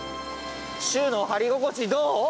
シューの張り心地どう？